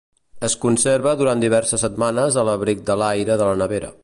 Es conserva durant diverses setmanes a l'abric de l'aire de la nevera.